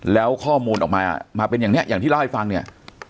แล้วข้อมูลออกมามาเป็นอย่างนี้อย่างที่เล่าให้ฟังเนี่ย